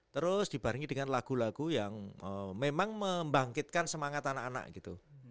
terus dibarengi dengan lagu lagu yang memang membangkitkan semangat anak anak gitu